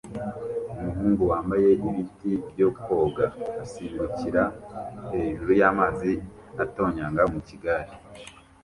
Umuhungu wambaye ibiti byo koga asimbukira hejuru y'amazi atonyanga mu gikari